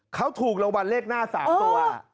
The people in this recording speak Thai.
เขาถูกรางวัลเลขหน้า๓ตัว